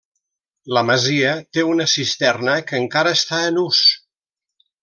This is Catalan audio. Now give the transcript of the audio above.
La masia té una cisterna que encara està en ús.